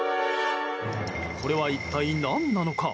これは一体何なのか？